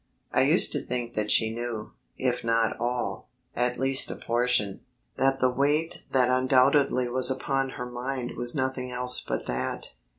I used to think that she knew, if not all, at least a portion; that the weight that undoubtedly was upon her mind was nothing else but that.